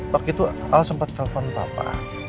begitu aku sempat telepon papa